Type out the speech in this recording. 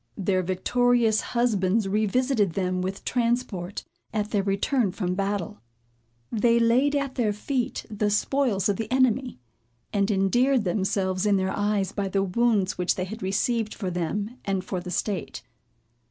Their victorious husbands re visited them with transport, at their return from battle. They laid at their feet the spoils of the enemy, and endeared themselves in their eyes by the wounds which they had received for them and for the state.